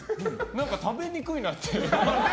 何か、食べにくいなって。